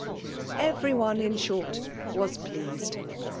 "Every one, in short, was pleased.